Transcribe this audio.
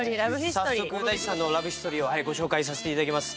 早速大地さんのラブヒストリーをご紹介させて頂きます。